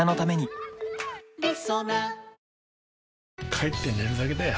帰って寝るだけだよ